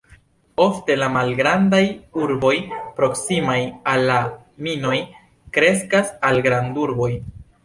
Ofte la malgrandaj urboj proksimaj al la minoj kreskas al grandurboj.